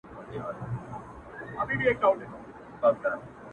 مړه راگوري مړه اكثر!!